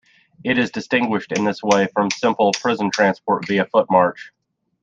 It is distinguished in this way from simple prisoner transport via foot march.